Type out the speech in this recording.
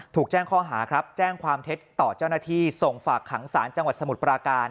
ถูกแจ้งข้อหาครับแจ้งความเท็จต่อเจ้าหน้าที่ส่งฝากขังศาลจังหวัดสมุทรปราการ